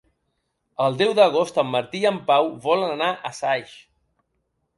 El deu d'agost en Martí i en Pau volen anar a Saix.